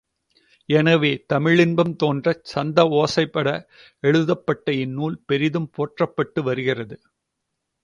எனவே தமிழின்பம் தோன்றச் சந்த ஒசைபட எழுதப்பட்ட இந் நூல் பெரிதும் போற்றப்பட்டு வருகிறது.